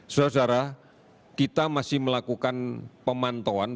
saudara saudara kita masih melakukan pemantauan